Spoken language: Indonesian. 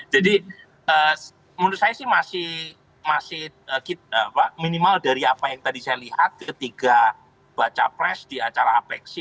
jadi menurut saya sih masih minimal dari apa yang tadi saya lihat ketika baca pres di acara apeksi